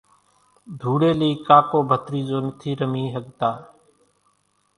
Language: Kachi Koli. ڌوڙيلي ڪاڪو ڀتريزو نٿي رمي ۿڳتا،